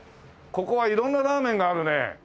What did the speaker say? ここは色んなラーメンがあるね。